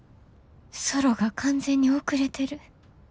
ソロが完全に遅れてる。